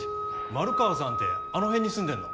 丸川さんってあの辺に住んでんの？